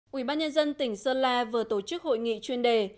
quỹ ban nhân dân tỉnh sơn la vừa tổ chức hội nghị chuyên đề